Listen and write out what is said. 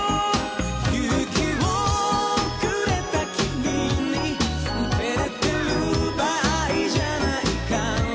「勇気をくれた君に照れてる場合じゃないから」